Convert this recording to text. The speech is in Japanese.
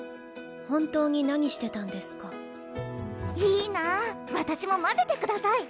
本当に何してたんですかいいな私もまぜてください